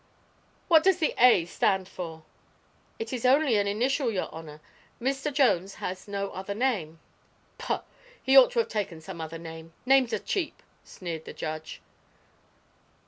"What does the 'A' stand for?" "It is only an initial, your honor. Mr. Jones has no other name." "Puh! He ought to have taken some other name. Names are cheap," sneered the judge.